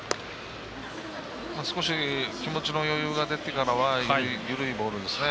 少し、気持ちの余裕が出てきてからは緩いボールですね。